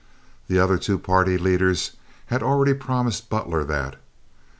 The other two party leaders had already promised Butler that.